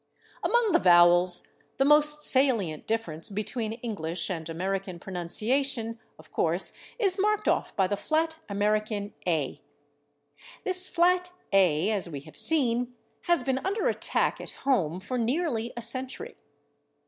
[Pg173] Among the vowels the most salient difference between English and American pronunciation, of course, is marked off by the flat American /a/. This flat /a/, as we have seen, has been under attack at home for nearly a century.